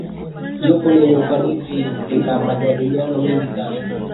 jopo lenye ufanisi lina majadiliano mengi sana